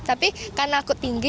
tapi kan aku tinggi